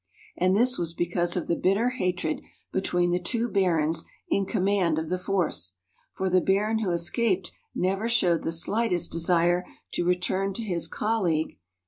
And this was because of the bitter hatred between the two barons in command of the force ; for the baron who escaped never showed the slightest desire to return to his colleague who VOL.